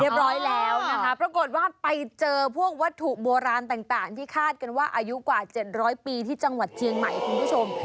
เรียบร้อยแล้วนะคะปรากฏว่าไปเจอพวกวัตถุโบราณต่างที่คาดกันว่าอายุกว่า๗๐๐ปีที่จังหวัดเชียงใหม่คุณผู้ชม